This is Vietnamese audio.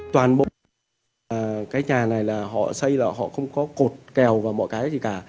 toàn bộ cái nhà này là họ xây là họ không có cột kèo và mọi cái gì cả